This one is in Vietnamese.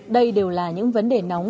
đây đều là những vấn đề nóng